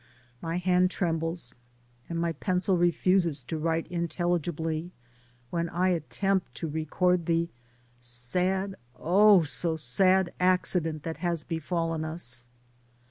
My hand trembles and my pencil refuses to write in DAYS ON THE ROAD. 43 telligibly when I attempt to record the sad, oh, so sad, accident that has befallen us.